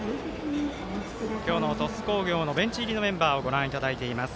今日の鳥栖工業のベンチ入りのメンバーをご覧いただいています。